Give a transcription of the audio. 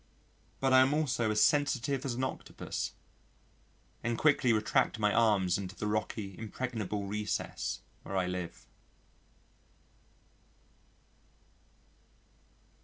but I am also as sensitive as an Octopus, and quickly retract my arms into the rocky, impregnable recess where I live.